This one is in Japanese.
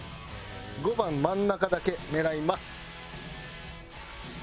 ５番真ん中だけ狙います。